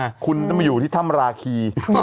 น้องคุณเขามาอยู่ที่ท่ำนาคี